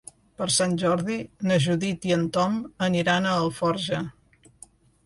Per Sant Jordi na Judit i en Tom aniran a Alforja.